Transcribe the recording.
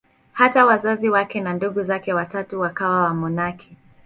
Hata wazazi wake na ndugu zake watatu wakawa wamonaki.